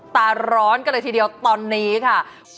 ตาร้อนกันเลยทีเดียวตอนนี้ค่ะ